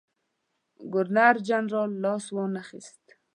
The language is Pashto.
ګورنرجنرال لاس وانه خیست.